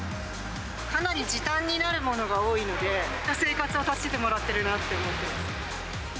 かなり時短になるものが多いので、生活を助けてもらってるなと思っています。